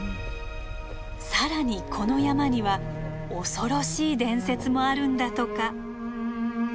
更にこの山には恐ろしい伝説もあるんだとか。